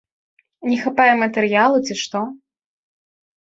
Не хапае матэрыялу, ці што?